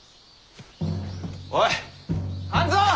おい半蔵！